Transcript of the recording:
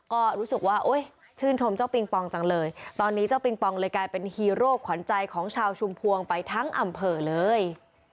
ก็รู้สึกว่าโอ๊ยชื่นชมเจ้าปิงปองจังเลยตอนนี้เจ้าปิงปองเลยกลายเป็นฮีโร่ขวัญใจของชาวชุมพวงไปทั้งอำเภอเลย